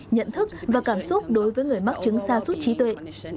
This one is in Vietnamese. nhận thức và cảm xúc đối với người mắc chứng xa suốt trí tuệ